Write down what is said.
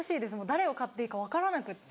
誰を買っていいか分からなくって。